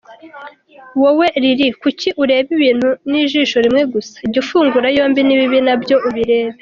Wowe Lily kuki ureba ibintu nijisho rimwe gusa? Jya ufungura yombi nibibi nabyo ubirebe.